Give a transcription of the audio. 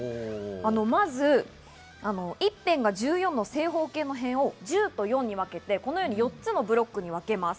まず一辺が１４の正方形の辺を１０と４に分けて、４つのブロックに分けます。